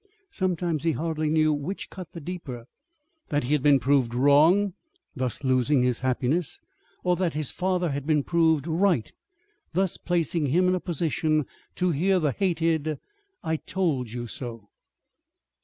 Sometimes he hardly knew which cut the deeper: that he had been proved wrong, thus losing his happiness, or that his father had been proved right, thus placing him in a position to hear the hated "I told you so."